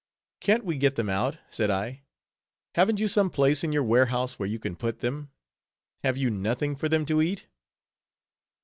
"Can't we get them out?" said I, "haven't you some place in your warehouse where you can put them? have you nothing for them to eat?"